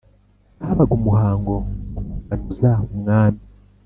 habaga umuhango wo kuganuza umwami.